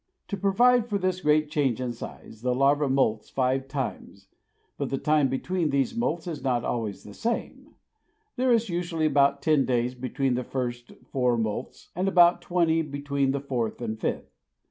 To provide for this great change in size, the larva moults five times, but the time between these moults is not always the same; there is usually about ten days between the first four moults and about twenty between the fourth and fifth.